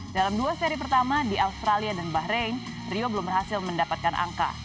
dalam dua seri pertama di australia dan bahrain rio belum berhasil mendapatkan angka